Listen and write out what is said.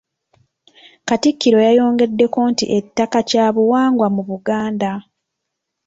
Katikkiro yayongeddeko nti ettaka kya buwangwa mu Buganda.